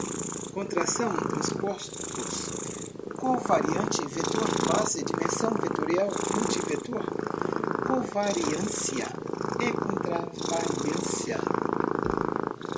contração, transposto, covariante, vetor, base, dimensão, vetorial, multivetor, covariância e contravariância